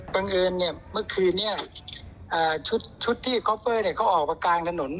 บังเอิญเมื่อคืนนี้ชุดที่คอฟเฟ่เขาออกมากลางถนน